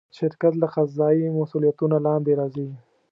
شرکت له قضایي مسوولیتونو لاندې راځي.